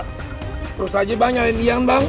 terus aja bang nyawain iyan bang